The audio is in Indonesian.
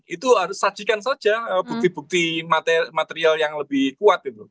itu harus sajikan saja bukti bukti material yang lebih kuat gitu